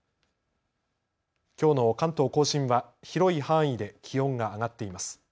きょうの関東甲信は広い範囲で気温が上がっています。